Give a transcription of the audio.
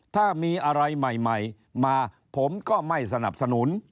ถ้ามีอะไรใหม่มาผมก็ไม่สนับสนุน